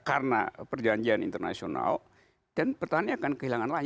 karena perjanjian internasional dan pertanian akan kehilangan lagi